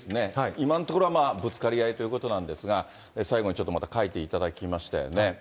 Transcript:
今のところはまあ、ぶつかり合いということなんですが、最後にちょっとまた書いていただきましたよね。